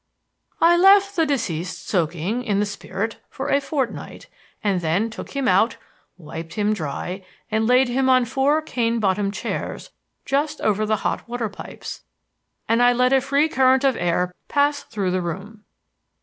"I left the deceased soaking in the spirit for a fortnight and then took him out, wiped him dry, and laid him on four cane bottomed chairs just over the hot water pipes, and I let a free current of air pass through the room.